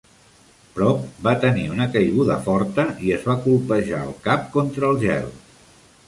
Propp va tenir una caiguda forta i es va colpejar el cap contra el gel.